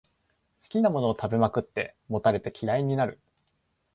好きなものを食べまくって、もたれて嫌いになる